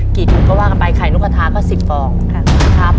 กี่ถุงก็ว่ากันไปไข่นกะทาก็๑๐ฟองนะครับ